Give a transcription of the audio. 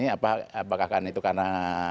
apakah itu karena